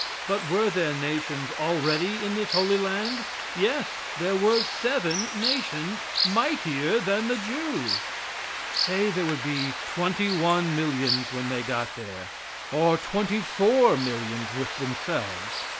But were there nations already in this Holy Land? Yes, there were seven nations "mightier than the Jews." Say there would be twenty one millions when they got there, or twenty four millions with themselves.